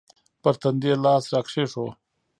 پر تندي يې لاس راکښېښوو.